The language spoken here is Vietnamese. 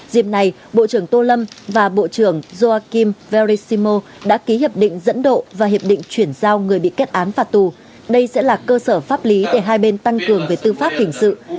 dịp này bộ trưởng tô lâm và bộ trưởng joachim verisimo đã ký hiệp định dẫn độ và hiệp định chuyển giao người bị kết án và tù